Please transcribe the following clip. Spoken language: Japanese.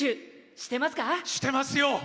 してますよ！